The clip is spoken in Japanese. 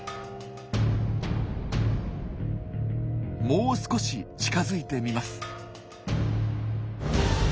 もう少し近づいてみます。